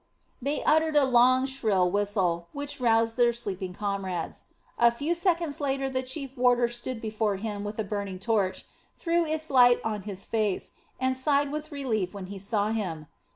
they uttered a long, shrill whistle, which roused their sleeping comrades. A few seconds later the chief warder stood before him with a burning torch, threw its light on his face, and sighed with relief when he saw him.